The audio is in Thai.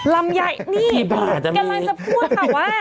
ลำไยนี่กำลังจะพูดค่ะว่า